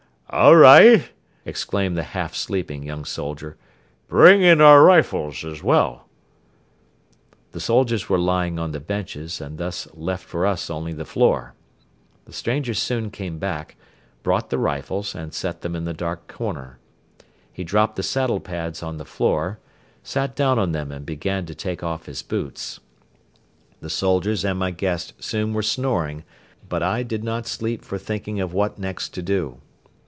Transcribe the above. "All right," exclaimed the half sleeping young soldier, "bring in our rifles as well." The soldiers were lying on the benches and thus left for us only the floor. The stranger soon came back, brought the rifles and set them in the dark corner. He dropped the saddle pads on the floor, sat down on them and began to take off his boots. The soldiers and my guest soon were snoring but I did not sleep for thinking of what next to do.